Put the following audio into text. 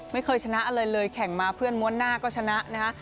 ไม่เคยชนะอะไรเลยแข่งมาเพื่อนม้วนหน้าก็ชนะนะฮะ